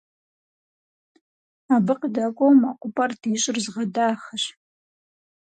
Абы къыдэкӀуэу мэкъупӀэр ди щӀыр зыгъэдахэщ.